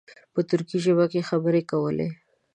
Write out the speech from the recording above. په ترکي ژبه یې خبرې کولې.